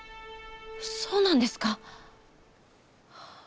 そうなんですか。